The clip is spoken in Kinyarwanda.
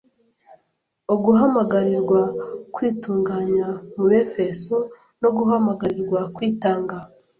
uguhamagarirwa kwitunganya mu Befeso no guhamagarirwa kwitanga